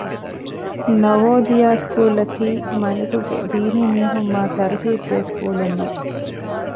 ނަވޯދިޔާ ސްކޫލަކީ މަލިކުގެ ދީނީމީހުން މާ ތަރުހީބުދޭ ސްކޫލެއް ނޫން